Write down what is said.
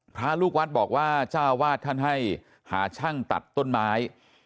พระลูกวัดบอกว่าเจ้าวาดท่านให้หาช่างตัดต้นไม้